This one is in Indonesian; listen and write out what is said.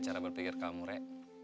cara berpikir kamu re